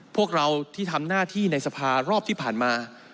พวกเราที่ทำหน้าที่ในสภารอบที่ผ่านมา